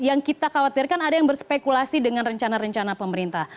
yang kita khawatirkan ada yang berspekulasi dengan rencana rencana pemerintah